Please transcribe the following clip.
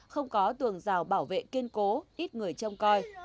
không có tường rào bảo vệ kiên cố ít người trông coi